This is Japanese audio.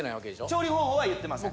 調理方法は言ってません